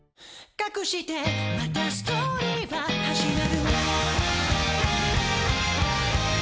「かくしてまたストーリーは始まる」